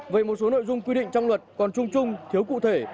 về một số nội dung quy định trong luật còn chung chung thiếu cụ thể